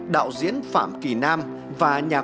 đạo diễn phạm kỳ nam và nhà quốc